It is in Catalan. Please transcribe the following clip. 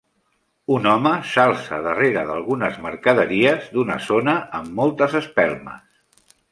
Un home s'alça darrere d'algunes mercaderies d'una zona amb moltes espelmes.